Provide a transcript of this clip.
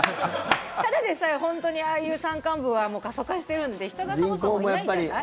ただでさえ、ああいう山間部は過疎化してるので人がそもそもいないじゃない。